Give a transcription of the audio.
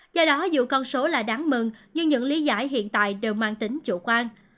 do đó dù con số là đáng mừng nhưng những lý giải hiện tại đều mang tính chủ quan